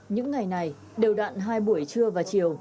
những ngày này đều đạn hai buổi trưa và chiều